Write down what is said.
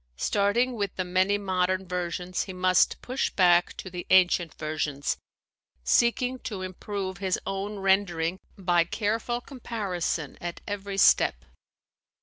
Starting with the many modern versions, he must push back to the ancient versions, seeking to improve his own rendering by careful comparison at every step.